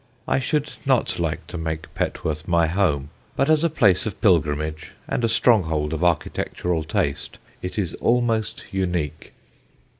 I should not like to make Petworth my home, but as a place of pilgrimage, and a stronghold of architectural taste, it is almost unique.